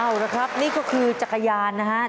เอาละครับนี่ก็คือจักรยานนะครับ